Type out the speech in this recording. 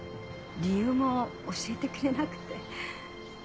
理由も教えてくれなくて。